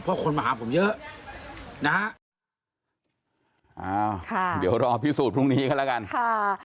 เพราะคนมาหาผมเยอะนะฮะอ้าวค่ะเดี๋ยวรอพิสูจนพรุ่งนี้กันแล้วกันค่ะ